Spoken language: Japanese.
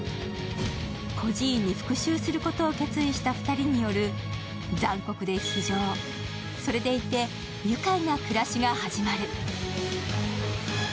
孤児院に復しゅうすることを決意した２人による残酷で非情、それでいて愉快な暮らしが始まる。